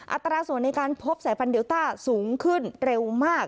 อัตราส่วนในการพบสายพันธเดลต้าสูงขึ้นเร็วมาก